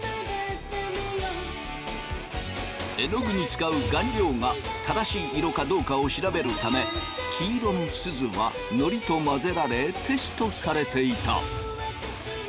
えのぐに使う顔料が正しい色かどうかを調べるため黄色のすずはのりと混ぜられテストされていた！